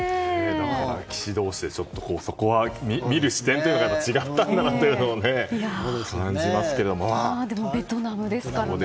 棋士同士でそこは見る視点が違ったんだなというのをでもベトナムですからね。